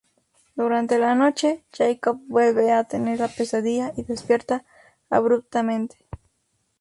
Durante la noche, Jacob vuelve a tener la pesadilla y despierta abruptamente.